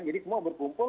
jadi semua berkumpul